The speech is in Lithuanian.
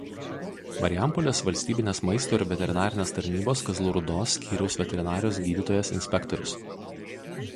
Marijampolės Valstybinės maisto ir veterinarinės tarnybos Kazlų Rūdos skyriaus veterinarijos gydytojas inspektorius.